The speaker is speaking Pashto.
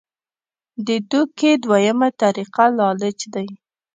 د دوکې دویمه طريقه لالچ دے -